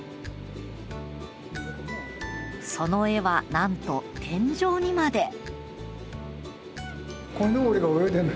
その絵はなんと天井にまで。